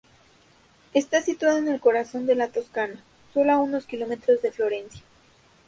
Está situada en el corazón de la Toscana, sólo a unos kilómetros de Florencia.